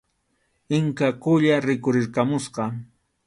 Inka Qulla rikhurirqamusqa.